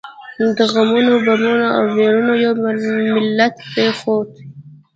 د غمونو، بمونو او ويرونو یو ملت پرېښود.